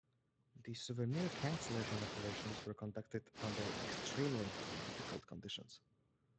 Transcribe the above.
The souvenir cancellation operations were conducted under extremely difficult conditions.